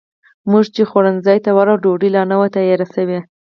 موږ چې خوړنځای ته ورغلو، ډوډۍ لا نه وه تیاره شوې.